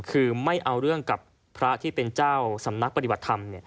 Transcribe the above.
คือไม่เอาเรื่องกับพระที่เป็นเจ้าสำนักปฏิบัติธรรม